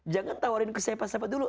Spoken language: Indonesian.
jangan tawarin ke siapa siapa dulu